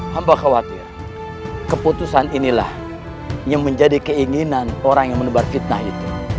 hamba khawatir keputusan inilah yang menjadi keinginan orang yang menebar fitnah itu